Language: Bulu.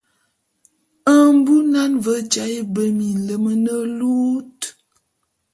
Mbunan ve jaé be minlem ne lut.